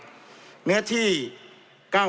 จำนวนเนื้อที่ดินทั้งหมด๑๒๒๐๐๐ไร่